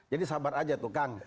jadi sabar aja tuh kang